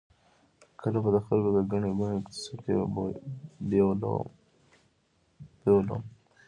کله به د خلکو د ګڼې ګوڼې څپې بیولم.